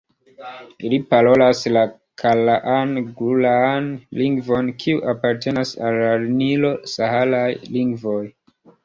Ili parolas la karaan-gulaan lingvon kiu apartenas al la nilo-saharaj lingvoj.